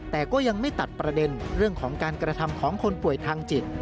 แต่ก็ยังไม่ตัดประเด็นเรื่องของการกระทำของคนป่วยทางจิต